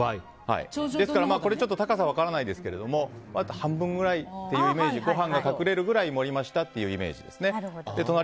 ですから高さは分からないですが半分くらいというイメージご飯が隠れるくらい盛りましたという。